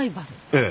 ええ。